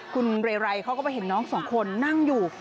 คุณเรไรเขาก็ไปเห็นน้องสองคนนั่งอยู่